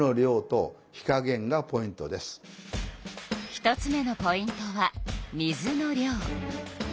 １つ目のポイントは水の量。